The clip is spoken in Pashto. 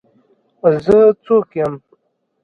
زه څوک يم.